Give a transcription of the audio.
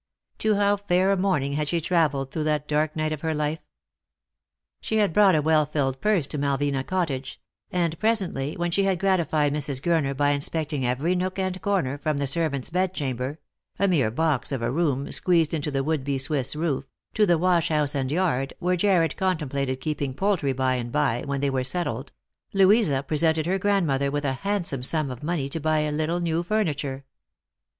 To how fair a morning had she travelled through that dark night of her life ! She had brought a well filled purse to Malvina Cottage; and presently, when she had gratified Mrs. Gurner by inspect ing every nook and corner, from the servant's bedchamber — a mere box of a room, squeezed into the would be Swiss roof — to the wash house and yard, where Jarred contemplated keeping poultry by and by, when they were settled — Louisa presented her grandmother with a handsome sum of money to buy a little new furniture.